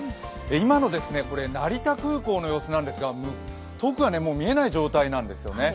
今の成田空港の様子なんですが遠くが見えない状態なんですよね。